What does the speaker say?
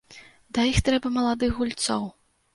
Да іх трэба маладых гульцоў.